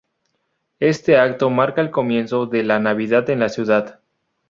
Este acto marca el comienzo de la Navidad en la ciudad.